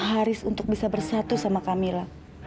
haris untuk bisa bersatu sama kamila